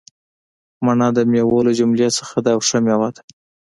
مڼه دمیوو له جملي څخه ده او ښه میوه ده